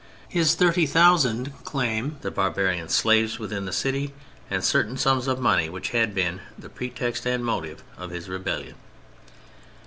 His thirty thousand claim the barbarian slaves within the city, and certain sums of money which had been, the pretext and motive of his rebellion.